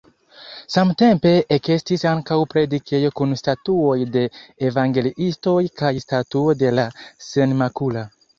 Samtempe ekestis ankaŭ predikejo kun statuoj de evangeliistoj kaj statuo de la Senmakula.